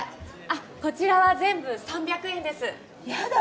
あっこちらは全部３００円ですやだ